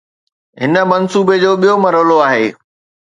هن منصوبي جو ٻيو مرحلو آهي